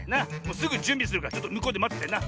すぐじゅんびするからちょっとむこうでまっててな。